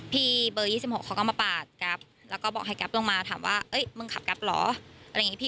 พี่๒๖เค้าก็มาปากแกรปแล้วก็บอกให้แกรปลงมาถามว่าเฮ้ยมึงขับแกรปเหรอ